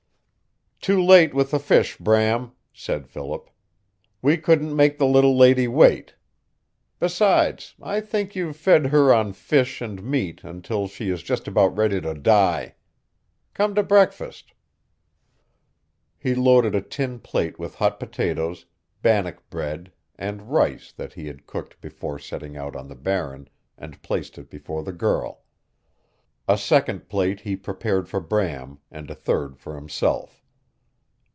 "Too late with the fish, Bram," said Philip. "We couldn't make the little lady wait. Besides, I think you've fed her on fish and meat until she is just about ready to die. Come to breakfast!" He loaded a tin plate with hot potatoes, bannock bread and rice that he had cooked before setting out on the Barren, and placed it before the girl. A second plate he prepared for Bram, and a third for himself.